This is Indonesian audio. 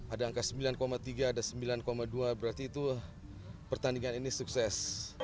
ada angka sembilan tiga ada sembilan dua berarti itu pertandingan ini sukses